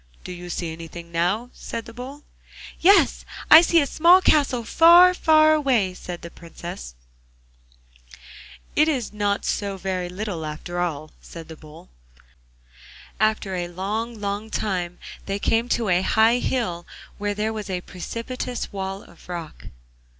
'Do you see anything now?' said the Bull. 'Yes, I see a small castle, far, far away,' said the Princess. 'It is not so very little after all,' said the Bull. After a long, long time they came to a high hill, where there was a precipitous wall of rock.